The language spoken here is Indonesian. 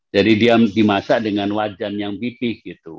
dia dimasak dengan wajan yang pipih gitu